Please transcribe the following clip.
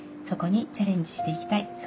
そこにチャレンジして行きたい。